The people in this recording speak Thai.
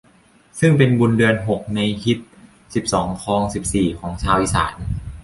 ซึ่งเป็นบุญเดือนหกในฮีตสิบสองคองสิบสี่ของชาวอีสาน